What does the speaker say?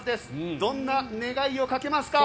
どんな願いをかけますか。